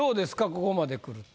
ここまでくると。